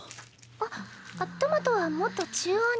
あっトマトはもっと中央に。